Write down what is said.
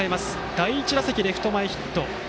第１打席レフト前ヒット。